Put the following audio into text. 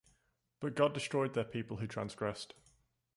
But God destroyed their people who transgressed.